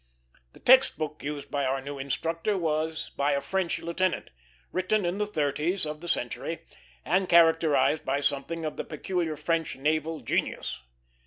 The text book used by our new instructor was by a French lieutenant, written in the thirties of the century, and characterized by something of the peculiar French naval genius.